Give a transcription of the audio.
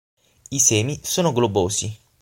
I semi sono globosi.